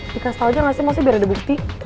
dikas tau aja maksudnya biar ada bukti